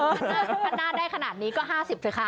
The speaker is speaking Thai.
ถ้าพันหน้าได้ขนาดนี้ก็๕๐สิคะ